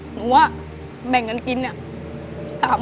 หนูว่าแบ่งกันกินอะ